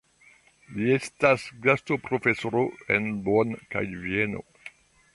Li estis gastoprofesoro en Bonn kaj Vieno.